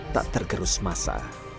tak tergerus masa